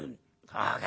『そうか。